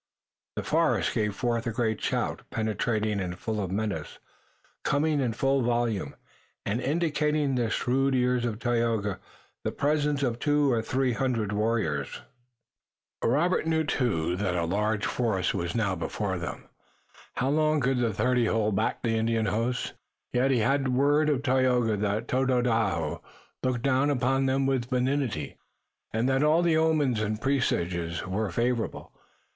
The forest gave forth a great shout, penetrating and full of menace, coming in full volume, and indicating to the shrewd ears of Tayoga the presence of two or three hundred warriors. Robert knew, too, that a large force was now before them. How long could the thirty hold back the Indian hosts? Yet he had the word of Tayoga that Tododaho looked down upon them with benignity and that all the omens and presages were favorable.